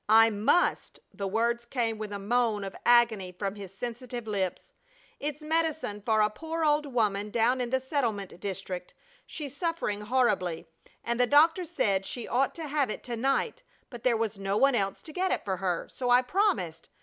"I must!" The words came with a moan of agony from the sensitive lips. "It's medicine for a poor old woman down in the settlement district. She's suffering horribly, and the doctor said she ought to have it to night, but there was no one else to get it for her, so I promised.